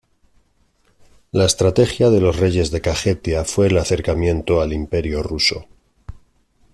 La estrategia de los reyes de Kajetia fue el acercamiento al Imperio ruso.